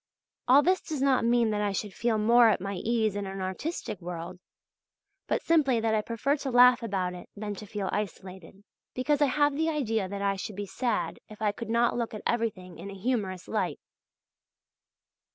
All this does not mean that I should feel more at my ease in an artistic world, but simply that I prefer to laugh about it than to feel isolated; because I have the idea that I should be sad if I could not look at everything in a humorous light.